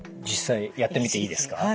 実際やってみていいですか？